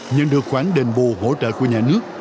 nhận được khoản đền bù hỗ trợ của nhà nước